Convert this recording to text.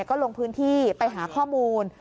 ก็ลงพื้นที่ไปหาข้อมูล